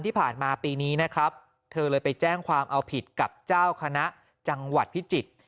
ที่ผ่านมาปีนี้นะครับเธอเลยไปแจ้งความเอาผิดกับเจ้าคณะจังหวัดพิจิตร